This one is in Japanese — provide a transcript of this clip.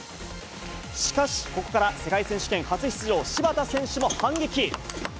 しかし、ここから世界選手権初出場、芝田選手も反撃。